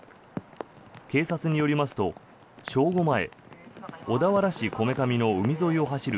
警察によりますと正午前、小田原市米神の海沿いを走る